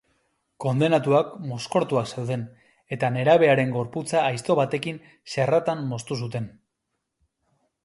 Kondenatuak mozkortuak zeuden eta nerabearen gorputza aizto batekin xerratan moztu zuten.